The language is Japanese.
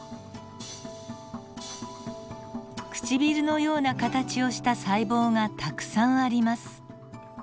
唇のような形をした細胞がたくさんあります。